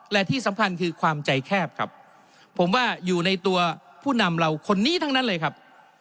และที่สำคัญคือความใจแคบครับผมว่าอยู่ในตัวผู้นำเราคนนี้ทั้งนั้นเลยครับ